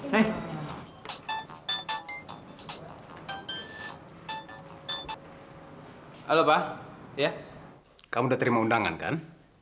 halo pak kamu sudah terima undangan kan